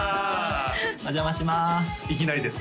お邪魔します